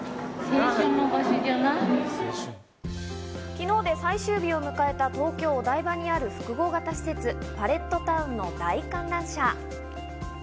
昨日で最終日を迎えた東京・お台場にある複合型施設・パレットタウンの大観覧車。